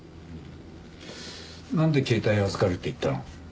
なんで携帯を預かるって言ったの？